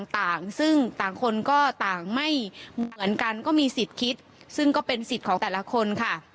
ต่างซึ่งต่างคนก็ต่างไม่เหมือนกันก็มีสิทธิ์คิดซึ่งก็เป็นสิทธิ์ของแต่ละคนค่ะ